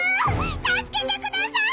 助けてください！